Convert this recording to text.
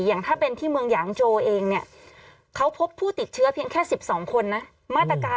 อย่างถ้าเป็นที่เมืองหยางโจเองเนี่ยเขาพบผู้ติดเชื้อเพียงแค่๑๒คนนะ